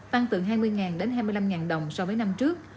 tăng từ hai mươi ngàn đến hai mươi năm ngàn đồng so với năm trước